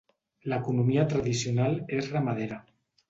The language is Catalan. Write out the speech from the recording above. L'economia tradicional és ramadera.